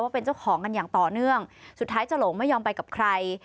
เป็นเจ้าของกันอย่างต่อเนื่องสุดท้ายจะหลงไม่ยอมไปกับใคร